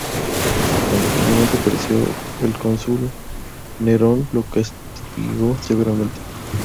Cuando finalmente apareció el cónsul Nerón lo castigó severamente.